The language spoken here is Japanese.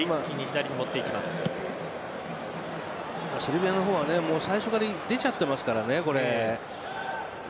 セルビアの方は、最初から出ちゃってますからね、これ。